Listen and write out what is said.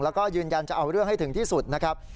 แล้วก็ยืนยันจะเอาเรื่องให้ถึงที่สุดนะครับ